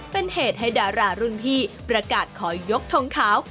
เป็นเหตุให้ดารารุ่นพี่ประกาศขอยกทงขาว